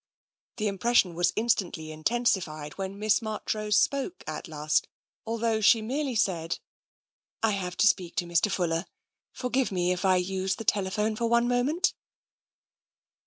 The impression was instantly intensified when Miss Marchrose spoke at last, although she merely said, " I have to speak to Mr. Fuller. Forgive me if I use the telephone for one moment.